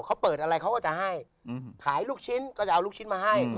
เขาเปิดอะไรเขาก็จะให้ขายลูกชิ้นก็จะเอาลูกชิ้นมาให้